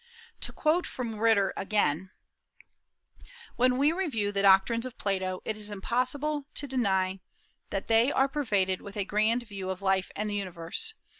To quote from Ritter again: "When we review the doctrines of Plato, it is impossible to deny that they are pervaded with a grand view of life and the universe.